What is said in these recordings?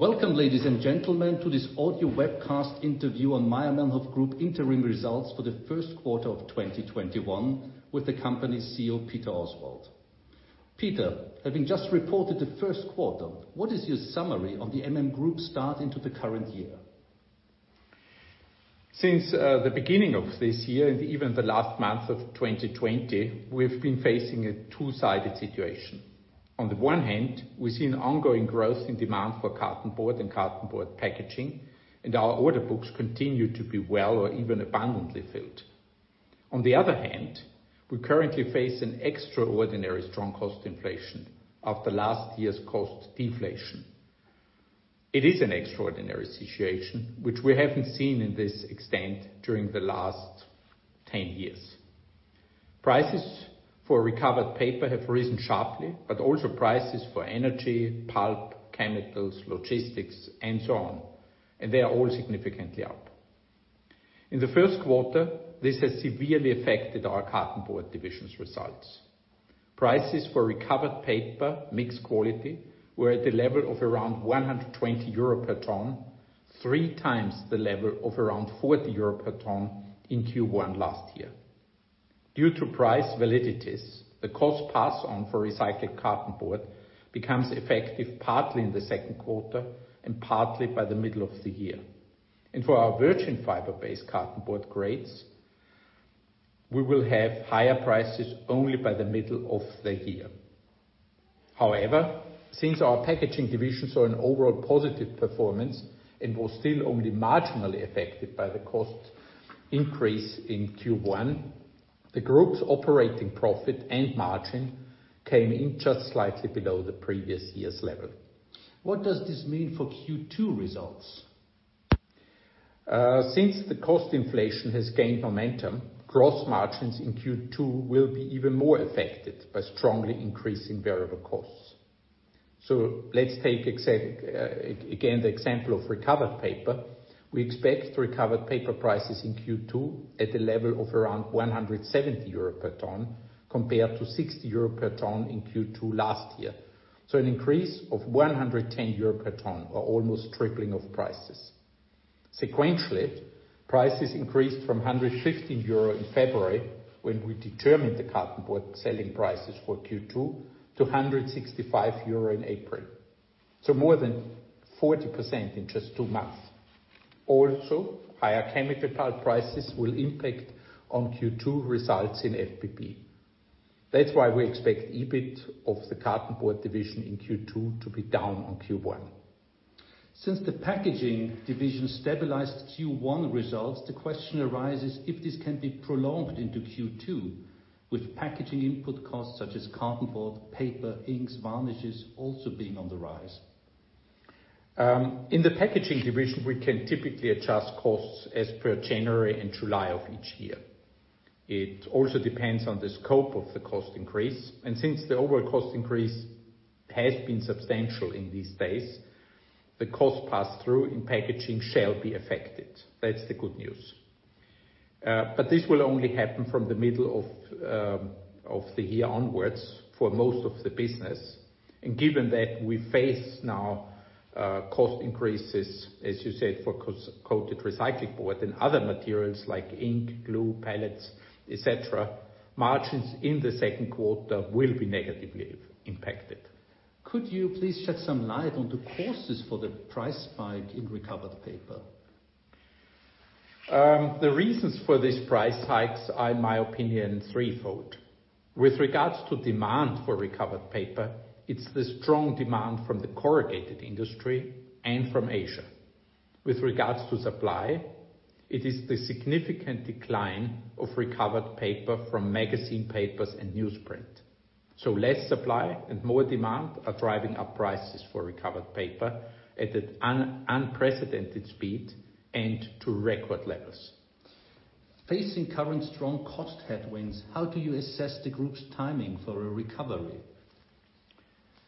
Welcome, ladies and gentlemen, to this audio webcast interview on Mayr-Melnhof Group interim results for the first quarter of 2021 with the company CEO, Peter Oswald. Peter, having just reported the first quarter, what is your summary of the MM Group start into the current year? Since the beginning of this year and even the last month of 2020, we've been facing a two-sided situation. On the one hand, we see an ongoing growth in demand for cartonboard and cartonboard packaging, and our order books continue to be well or even abundantly filled. On the other hand, we currently face an extraordinary strong cost inflation after last year's cost deflation. It is an extraordinary situation, which we haven't seen in this extent during the last 10 years. Prices for recovered paper have risen sharply, but also prices for energy, pulp, chemicals, logistics, and so on, and they are all significantly up. In the first quarter, this has severely affected our cartonboard division's results. Prices for recovered paper, mixed quality, were at the level of around 120 euro per ton, three times the level of around 40 euro per ton in Q1 last year. Due to price validities, the cost pass on for recycled cartonboard becomes effective partly in the second quarter and partly by the middle of the year. For our virgin fiber-based cartonboard grades, we will have higher prices only by the middle of the year. However, since our packaging divisions are an overall positive performance and was still only marginally affected by the cost increase in Q1, the group's operating profit and margin came in just slightly below the previous year's level. What does this mean for Q2 results? Since the cost inflation has gained momentum, gross margins in Q2 will be even more affected by strongly increasing variable costs. Let's take again, the example of recovered paper. We expect recovered paper prices in Q2 at a level of around 170 euro per ton compared to 60 euro per ton in Q2 last year. An increase of 110 euro per ton or almost tripling of prices. Sequentially, prices increased from 150 euro in February, when we determined the cartonboard selling prices for Q2, to 165 euro in April. More than 40% in just two months. Also, higher chemical prices will impact on Q2 results in FBB. That's why we expect EBIT of the cartonboard division in Q2 to be down on Q1. Since the packaging division stabilized Q1 results, the question arises if this can be prolonged into Q2 with packaging input costs such as cartonboard, paper, inks, varnishes also being on the rise. In the packaging division, we can typically adjust costs as per January and July of each year. It also depends on the scope of the cost increase, and since the overall cost increase has been substantial in these days, the cost pass-through in packaging shall be affected. That's the good news. This will only happen from the middle of the year onwards for most of the business. Given that we face now cost increases, as you said, for coated recycled board and other materials like ink, glue, pallets, et cetera, margins in the second quarter will be negatively impacted. Could you please shed some light on the causes for the price spike in recovered paper? The reasons for these price hikes are, in my opinion, threefold. With regards to demand for recovered paper, it's the strong demand from the corrugated industry and from Asia. With regards to supply, it is the significant decline of recovered paper from magazine papers and newsprint. Less supply and more demand are driving up prices for recovered paper at an unprecedented speed and to record levels. Facing current strong cost headwinds, how do you assess the group's timing for a recovery?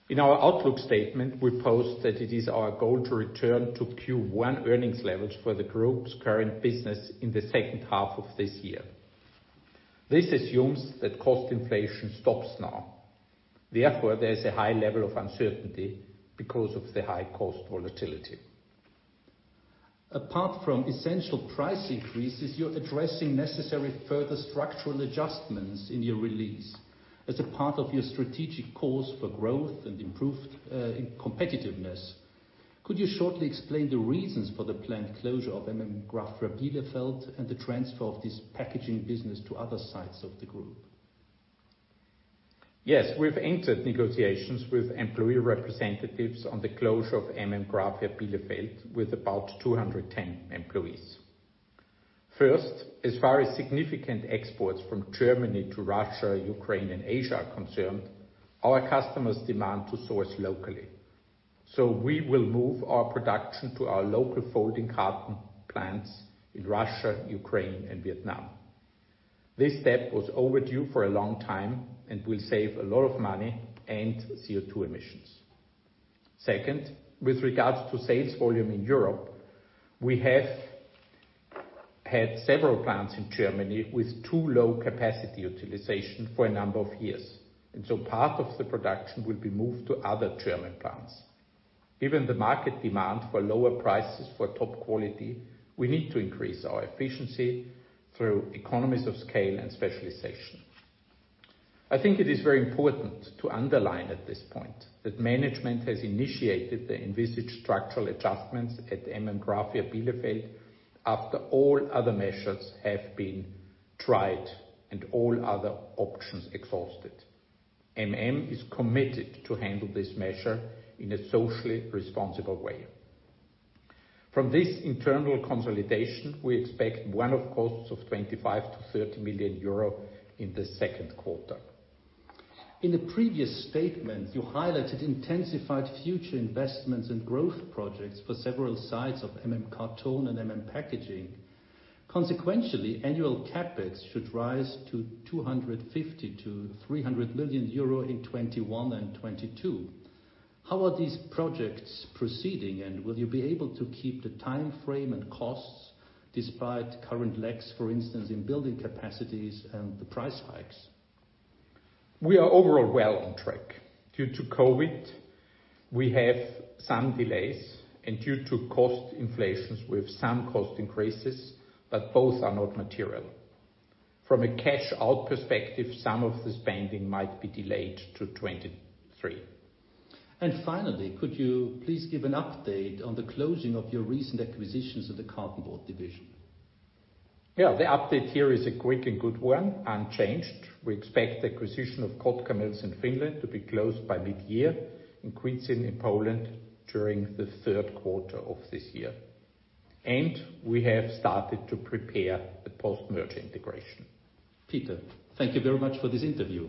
In our outlook statement, we post that it is our goal to return to Q1 earnings levels for the group's current business in the second half of this year. This assumes that cost inflation stops now. There's a high level of uncertainty because of the high cost volatility. Apart from essential price increases, you're addressing necessary further structural adjustments in your release as a part of your strategic course for growth and improved competitiveness. Could you shortly explain the reasons for the planned closure of MM Graphia Bielefeld and the transfer of this packaging business to other sites of the MM Group? Yes, we've entered negotiations with employee representatives on the closure of MM Graphia Bielefeld with about 210 employees. First, as far as significant exports from Germany to Russia, Ukraine, and Asia are concerned, our customers demand to source locally. We will move our production to our local folding carton plants in Russia, Ukraine, and Vietnam. This step was overdue for a long time and will save a lot of money and CO2 emissions. Second, with regards to sales volume in Europe, we had several plants in Germany with too low capacity utilization for a number of years, part of the production will be moved to other German plants. Given the market demand for lower prices for top quality, we need to increase our efficiency through economies of scale and specialization. I think it is very important to underline at this point that management has initiated the envisaged structural adjustments at MM Graphia Bielefeld after all other measures have been tried and all other options exhausted. MM is committed to handle this measure in a socially responsible way. From this internal consolidation, we expect one-off costs of 25 million-30 million euro in the second quarter. In a previous statement, you highlighted intensified future investments and growth projects for several sites of MM Karton and MM Packaging. Consequentially, annual CapEx should rise to 250 million-300 million euro in 2021 and 2022. How are these projects proceeding, and will you be able to keep the timeframe and costs despite current lags, for instance, in building capacities and the price hikes? We are overall well on track. Due to COVID, we have some delays, and due to cost inflations, we have some cost increases, but both are not material. From a cash-out perspective, some of the spending might be delayed to 2023. Finally, could you please give an update on the closing of your recent acquisitions of the cartonboard division? Yeah. The update here is a quick and good one, unchanged. We expect the acquisition of Kotkamills in Finland to be closed by mid-year and Kwidzyn in Poland during the third quarter of this year. We have started to prepare the post-merger integration. Peter, thank you very much for this interview.